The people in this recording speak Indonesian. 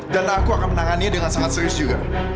dan aku akan menangannya dengan sangat serius juga